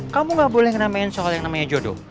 kamu gak boleh ngenamain soal yang namanya jodoh